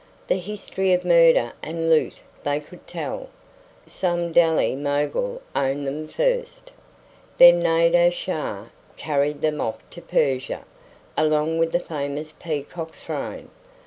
The history of murder and loot they could tell! Some Delhi mogul owned them first. Then Nadir Shah carried them off to Persia, along with the famous peacock throne.